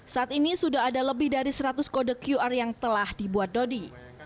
saat ini sudah ada lebih dari seratus kode qr yang telah dibuat dodi